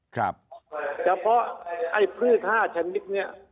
เฉพาะไอ้พืช๕ชนิดเนี่ย